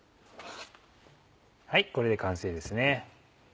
はいこれで完成ですね。